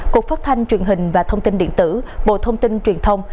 cục phát thanh truyền hình và thông tin điện tử bộ thông tin truyền thông